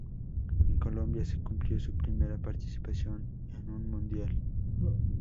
En Colombia se cumplió su primera participación en un Mundial.